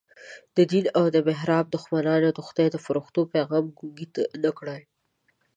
د دین او محراب دښمنانو د خدای د فرښتو پیغام ګونګی نه کړ.